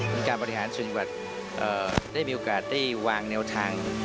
การบริหารส่วนจังหวัดได้มีโอกาสได้วางแนวทาง